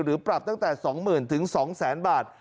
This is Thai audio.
หรือปรับตั้งแต่๒๐๐๐๐ถึง๒๐๐๐๐๐บาท